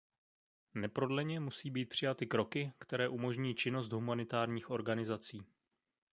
Neprodleně musí být přijaty kroky, které umožní činnost humanitárních organizací.